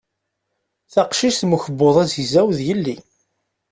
Taqcict mm ukebbuḍ azegzaw d yelli.